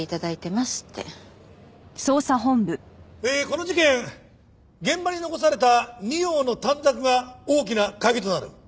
この事件現場に残された２葉の短冊が大きな鍵となる。